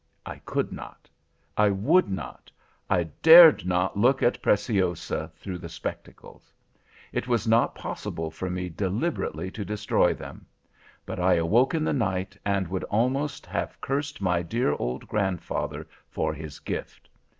I could not, I would not, I dared not look at Preciosa through the spectacles. It was not possible for me deliberately to destroy them; but I awoke in the night, and could almost have cursed my dear old grandfather for his gift.